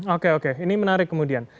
oke oke ini menarik kemudian